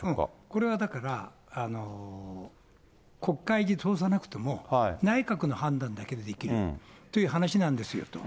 これはだから、国会に通さなくても内閣の判断だけでできるという話なんですよと。